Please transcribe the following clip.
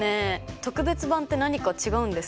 特別版って何か違うんですか？